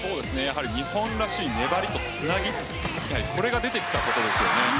日本らしい粘りとつなぎこれが出てきたということですよね。